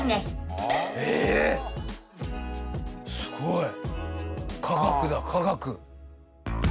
すごい！